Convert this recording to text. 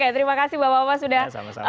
terima kasih bapak bapak sudah